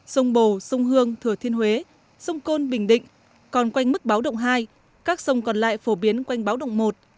sông bồ sông hương thừa thiên huế sông côn bình định còn quanh mức báo động hai các sông còn lại phổ biến quanh báo động một